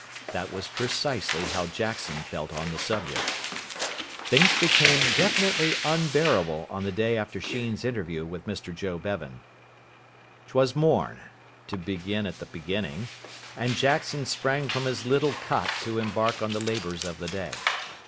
That was precisely how Jackson felt on the subject. Things became definitely unbearable on the day after Sheen's interview with Mr Joe Bevan. 'Twas morn to begin at the beginning and Jackson sprang from his little cot to embark on the labours of the day.